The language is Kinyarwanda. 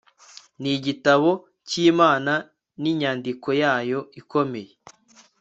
Nigitabo cyImana ni inyandiko yayo ikomeye